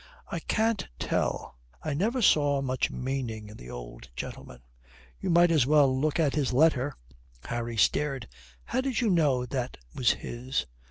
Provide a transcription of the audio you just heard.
"I can't tell. I never saw much meaning in the old gentleman." "You might as well look at his letter." Harry stared. "How did you know that was his?"